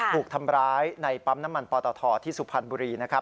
ถูกทำร้ายในปั๊มน้ำมันปอตทที่สุพรรณบุรีนะครับ